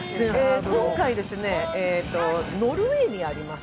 今回、ノルウェーにあります